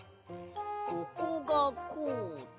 ここがこうで。